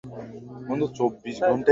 দূর হয়ে যা!